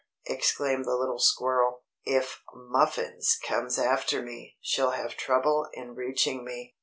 exclaimed the little squirrel, "if Muffins comes after me, she'll have trouble in reaching me."